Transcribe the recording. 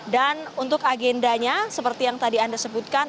dan untuk agendanya seperti yang tadi anda sebutkan